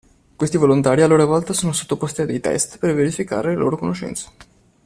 Questi volontari a loro volta sono sottoposti a dei test per verificare le loro conoscenze.